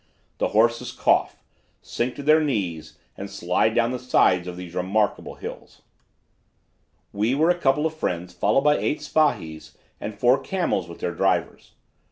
The horses cough, sink to their knees and slide down the sides of these remarkable hills. "We were a couple of friends followed by eight spahis and four camels with their drivers.